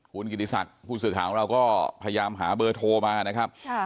คุณกิจสัตย์คุณสื่อข่าวของเราก็พยายามหาเบอร์โทรมา